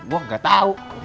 hah gue gak tahu